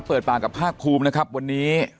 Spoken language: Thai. เปิดปากกับภาคภูมินะครับวันนี้